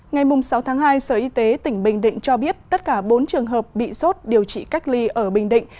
ngày sáu tháng hai sở y tế tỉnh bình định cho biết tất cả bốn trường hợp bị sốt điều trị cách ly ở bình định